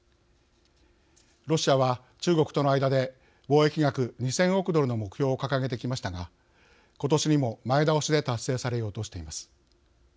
ロシアは中国との間で貿易額２０００億ドルの目標を掲げてきましたが今年にも前倒しで達成されようとしています。